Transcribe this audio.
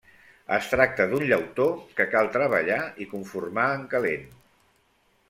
Es tracta d'un llautó que cal treballar i conformar en calent.